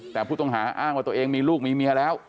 แต่ผู้ต้องหาอ้างว่าตัวเองมีลูกมีเมียแล้ว